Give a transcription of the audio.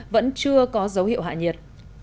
vẫn chưa có dấu hiệu hạ nhiệt